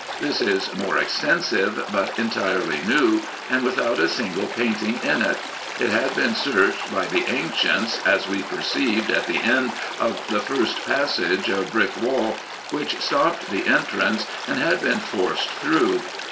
This is more extensive, but entirely new, and without a single painting in it : it had been searched by the ancients, as we perceived at the end of the first passage a brick wall, which stopped the entrance, and had been forced through.